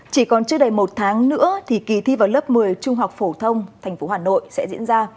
chỉ còn chưa đầy một tháng nữa thì kỳ thi vào lớp một mươi trung học phổ thông tp hà nội sẽ diễn ra